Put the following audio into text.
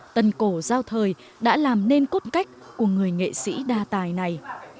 tần cổ giao thời đã làm nên cốt cách của người nghệ sĩ đa tài này